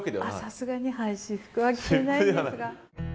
さすがに私服は着ていないんですが。